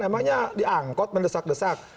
emangnya diangkut mendesak desak